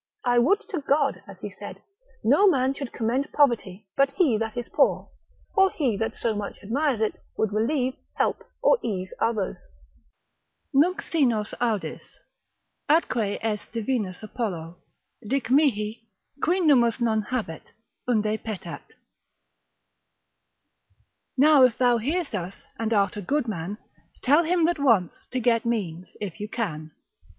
I would to God (as he said) No man should commend poverty, but he that is poor, or he that so much admires it, would relieve, help, or ease others. Nunc si nos audis, atque es divinus Apollo, Dic mihi, qui nummos non habet, unde petat: Now if thou hear'st us, and art a good man, Tell him that wants, to get means, if you can.